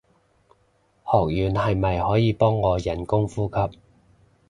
學完係咪可以幫我人工呼吸